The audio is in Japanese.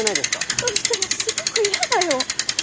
だとしてもすごく嫌だよ